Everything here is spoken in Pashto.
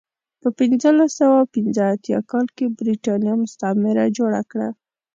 په پنځلس سوه پنځه اتیا کال کې برېټانیا مستعمره جوړه کړه.